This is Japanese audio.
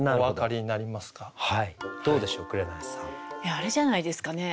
あれじゃないですかね。